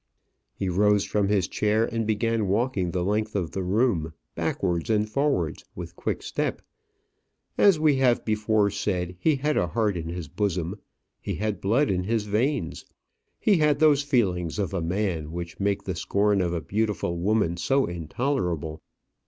He rose from his chair and began walking the length of the room, backwards and forwards, with quick step. As we have before said, he had a heart in his bosom; he had blood in his veins; he had those feelings of a man which make the scorn of a beautiful woman so intolerable.